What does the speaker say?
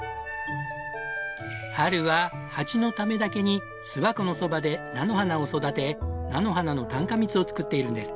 春はハチのためだけに巣箱のそばで菜の花を育て菜の花の単花蜜を作っているんです。